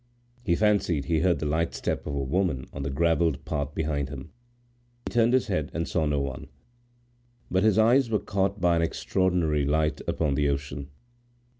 He fancied he heard the light step of a woman on the gravelled path behind him. He turned his head and saw no one, but his eyes were caught by an extraordinary light upon the ocean.